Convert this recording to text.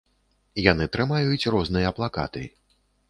Яны трымаюць розныя плакаты.